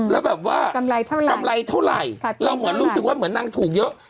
แล้วแบบว่ากำไรเท่าไหร่เราเหมือนรู้สึกว่าเหมือนนางถูกเยอะ